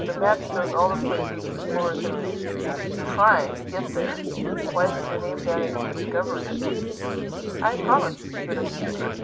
The map shows all the places explorers have reached to, trying to get there. Why isn't your name down if you discovered it?" "I promised to keep it a secret.